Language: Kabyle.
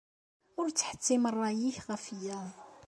Ur ttḥettim ṛṛay-nnek ɣef wiyaḍ.